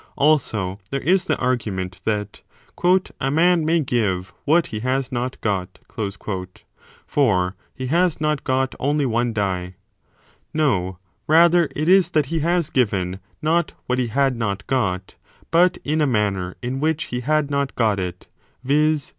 Also there is the argument that a man may give what he has not got : for he has not got only one die. No : rather it is that he has given, not what he had not got, but in a manner in which he had not got it, viz.